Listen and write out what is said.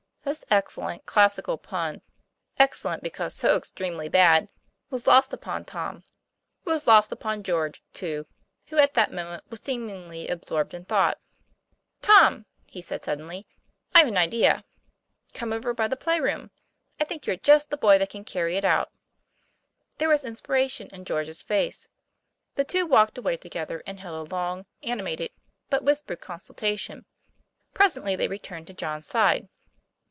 This excellent classical pun excellent because so extremely bad was lost upon Tom. It was lost upon George, too, who at that moment was seemingly absorbed in thought. Tom," he said suddenly, "I've an idea. Come over by the playroom; I think you're just the boy that can carry it out." There was inspiration in George's face. The two walked away together, and held a long, animated, but whispered consultation. Presently they returned to John's side.